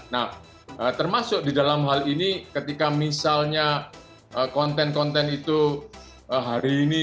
nah termasuk di dalam hal ini ketika misalnya konten konten itu hari ini